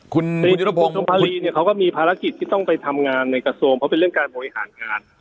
คุณตรียุทธพงศ์ภารีเนี่ยเขาก็มีภารกิจที่ต้องไปทำงานในกระทรวงเพราะเป็นเรื่องการบริหารงาน